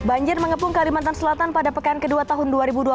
banjir mengepung kalimantan selatan pada pekan ke dua tahun dua ribu dua puluh satu